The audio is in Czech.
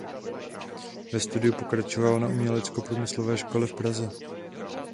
Ve studiu pokračoval na uměleckoprůmyslové škole v Praze.